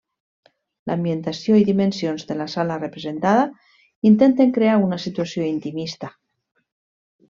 L'ambientació i dimensions de la sala representada intenten crear una situació intimista.